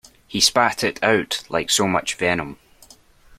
He spat it out like so much venom.